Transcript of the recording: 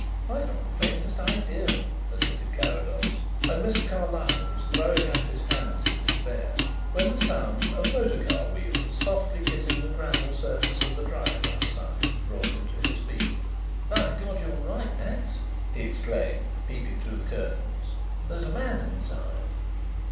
"I haven't the faintest idea," admitted Carrados, and Mr. Carlyle was throwing up his hands in despair when the sound of a motor car wheels softly kissing the gravel surface of the drive outside brought him to his feet. "By Gad, you are right, Max!" he exclaimed, peeping through the curtains. "There is a man inside."